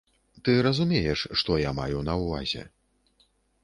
Ты разумееш, што я маю на ўвазе.